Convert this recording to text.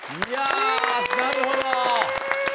なるほど。